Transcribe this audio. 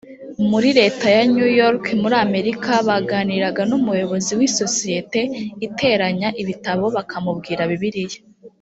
muri leta ya new york muri amerika baganiraga n umuyobozi w isosiyete iteranya ibitabo bakamubwira bibiliya